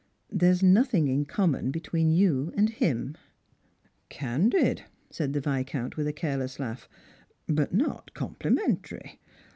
There is nothing in common between you and him." " Candid," said the Viscount, with a careless laugh, " but not complimentary.